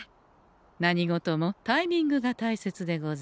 何事もタイミングが大切でござんす。